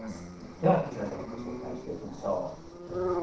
ではこちらでご紹介していきましょう。